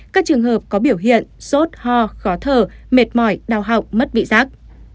các trường hợp có biểu hiện sốt ho khó thở mệt mỏi đau học mất vị rác